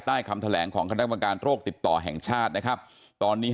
คำแถลงของคณะกรรมการโรคติดต่อแห่งชาตินะครับตอนนี้